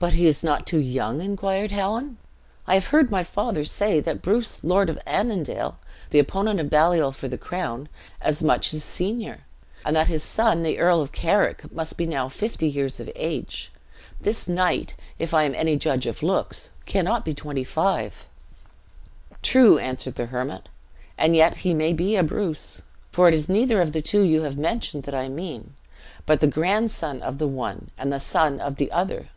"But is he not too young?" inquired Helen. "I have heard my father say that Bruce, Lord of Annandale, the opponent of Baliol for the crown, was much his senior; and that his son, the Earl of Carrick, must be now fifty years of age. This knight, if I am any judge of looks, cannot be twenty five." "True," answered the hermit; "and yet he may be a Bruce. For it is neither of the two you have mentioned that I mean; but the grandson of the one, and the son of the other.